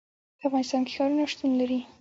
په افغانستان کې ښارونه شتون لري.